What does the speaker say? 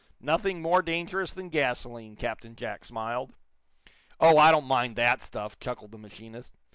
"Nothing more dangerous than gasoline," Captain Jack smiled. "Oh, I don't mind that stuff,". chuckled the machinist.